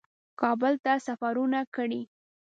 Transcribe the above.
کابل ته سفرونه کړي